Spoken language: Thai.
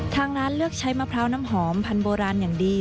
ทางร้านเลือกใช้มะพร้าวน้ำหอมพันธุโบราณอย่างดี